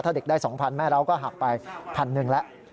ถ้าเด็กได้๒๐๐๐แม่เลาะก็หับไป๑๐๐๐แล้ว